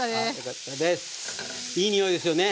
いいにおいですよね！